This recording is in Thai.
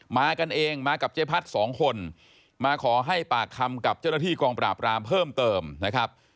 มากันเองมากับเจ๊พัดสองคนมาขอให้ปากคำกับเจ้าหน้าที่กองปราบรามเพิ่มเติมนะครับ